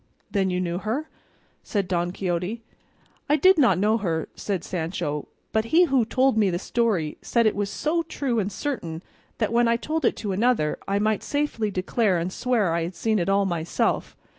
"Then you knew her?" said Don Quixote. "I did not know her," said Sancho, "but he who told me the story said it was so true and certain that when I told it to another I might safely declare and swear I had seen it all myself.